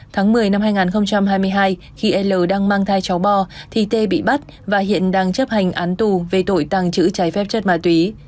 tháng một mươi năm hai nghìn hai mươi hai khi l đang mang thai cháu bò thì tê bị bắt và hiện đang chấp hành án tù về tội tàng trữ trái phép chất ma túy